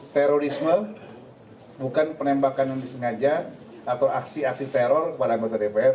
terorisme bukan penembakan yang disengaja atau aksi aksi teror kepada anggota dpr